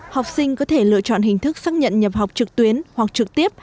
học sinh có thể lựa chọn hình thức xác nhận nhập học trực tuyến hoặc trực tiếp